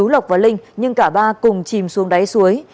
lộc và linh nhưng cả ba cùng chìm xuống đáy suối